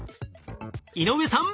井上さん！